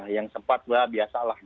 yang sempat bah biasalah